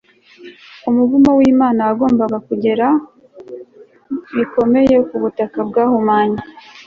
umuvumo wImana wagombaga kugera bikomeye ku butaka bwahumanye